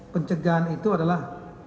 pencegahan itu adalah